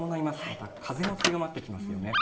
また風も強まってきますよね。